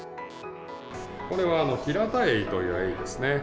これはヒラタエイというエイですね。